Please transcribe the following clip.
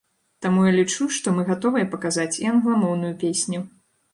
Таму я лічу, што мы гатовыя паказаць і англамоўную песню.